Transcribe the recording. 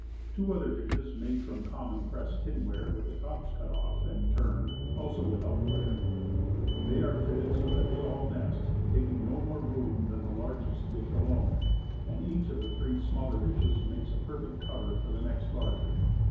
Two other dishes made from common pressed tinware, with the tops cut off and turned, also without wire. They are fitted 14 Woodcraft. so that they all nest, taking no more room than the largest dish alone, and each of the three smaller dishes makes a perfect cover for the next larger.